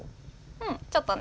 うんちょっとね。